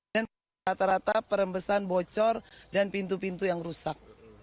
dan rata rata perempesan bocor dan pintu pintu yang rusak